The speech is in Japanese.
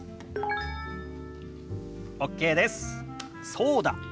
そうだ。